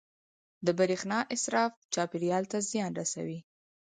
• د برېښنا اسراف چاپېریال ته زیان رسوي.